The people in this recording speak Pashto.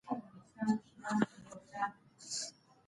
د بېوزلۍ کچه باید په دقیقه توګه معلومه سي.